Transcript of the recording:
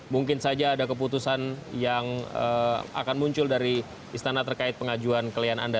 mungkin saja ada keputusan yang akan muncul dari istana terkait pengajuan klien anda